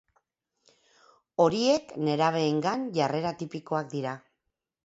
Horiek nerabeengan jarrera tipikoak dira.